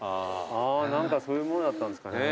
あー何かそういうものだったんですかね。